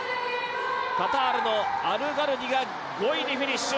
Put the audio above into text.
カタールの、アルガルニが５位でフィニッシュ。